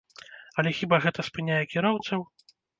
Але хіба гэта спыняе кіроўцаў?